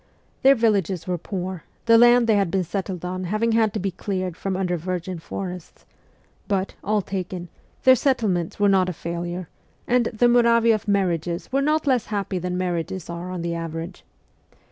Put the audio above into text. Their villages were poor, the land they had been settled on having had to be cleared from under virgin forests ; but, all taken, their settlements were not a failure, and ' the Muravioff marriages ' were not less happy than marriages are on the average.